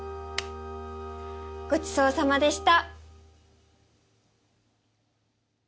ごちそうさまでした。